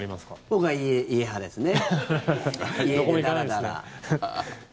僕は家派ですね。